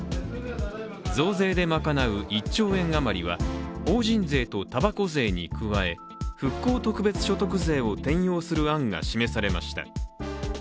増税で賄う１兆円余りは法人税とたばこ税に加え復興特別所得税を転用する案が示されました。